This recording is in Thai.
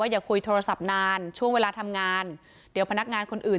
อย่าคุยโทรศัพท์นานช่วงเวลาทำงานเดี๋ยวพนักงานคนอื่น